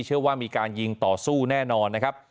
เชื่อว่ามีการยิงต่อสู้แน่นอนนะครับ